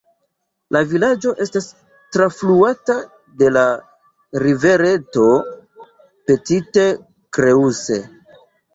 La vilaĝo estas trafluata de la rivereto Petite Creuse.